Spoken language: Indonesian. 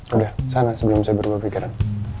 udah kesana sebelum saya berubah pikiran